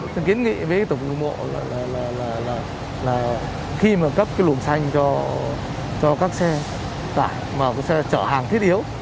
tôi kiến nghị với tổng thủ mộ là khi mà cấp cái luồng xanh cho các xe tải vào cái xe chở hàng thiết yếu